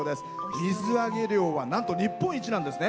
水揚げ量はなんと日本一なんですね。